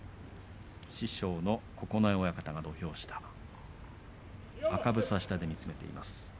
師匠の九重親方が土俵下赤房下で見つめています。